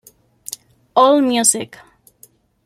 All Music.